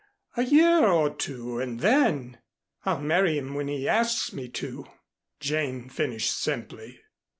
A year or two and then " "I'll marry him when he asks me to," Jane finished simply.